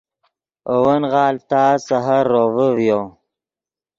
اے ون غالڤ تا سحر روڤے ڤیو